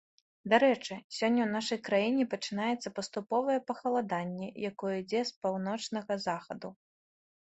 Дарэчы, сёння ў нашай краіне пачынаецца паступовае пахаладанне, якое ідзе з паўночнага захаду.